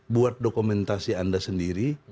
buat dokumentasi anda sendiri